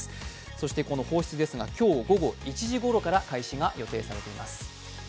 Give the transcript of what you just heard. そしてこの放出ですが今日午後１時ごろから放出開始が予定されています。